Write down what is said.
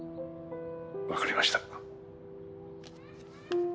わかりました。